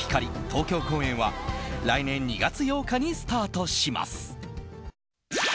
東京公演は来年２月８日にスタートします。